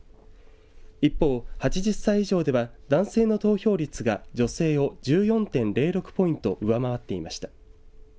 一方、８０歳以上では男性の投票率が女性を１４．０６ポイント上回っていました。